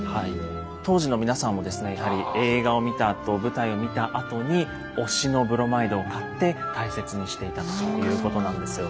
当時の皆さんもやはり映画を見たあと舞台を見たあとに推しのブロマイドを買って大切にしていたということなんですよ。